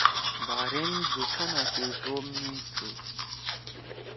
بحرین دُو کھنا سی ٹوپ می تُھو۔